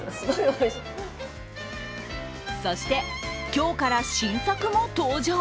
そして、今日から新作も登場。